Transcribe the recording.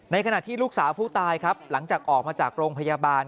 ขณะที่ลูกสาวผู้ตายครับหลังจากออกมาจากโรงพยาบาล